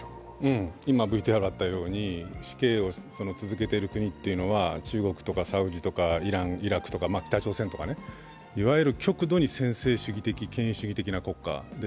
死刑を続けている国というのは、中国とかサウジとかイラン、イラクとか北朝鮮とかいわゆる極度に専制主義的、権威主義的な国家。